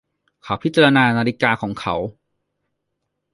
เขาพิจารณานาฬิกาของเขา